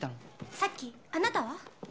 さっきあなたは？